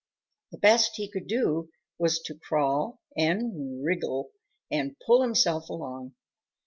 The best he could do was to crawl and wriggle and pull himself along.